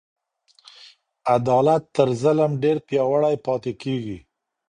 عدالت تر ظلم ډیر پیاوړی پاته کیږي.